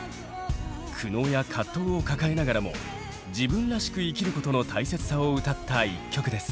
苦悩や葛藤を抱えながらも自分らしく生きることの大切さを歌った１曲です。